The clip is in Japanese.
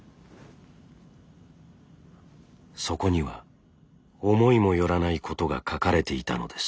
そこには思いも寄らないことが書かれていたのです。